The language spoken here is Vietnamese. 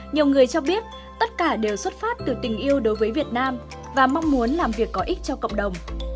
nhiều người cho biết tất cả đều xuất phát từ tình yêu đối với việt nam và mong muốn làm việc có ích cho cộng đồng